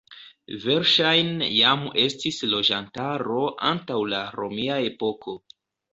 Verŝajne jam estis loĝantaro antaŭ la romia epoko.